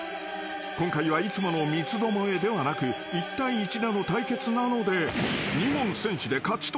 ［今回はいつもの三つどもえではなく１対１での対決なので］